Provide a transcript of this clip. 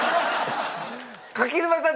柿沼さん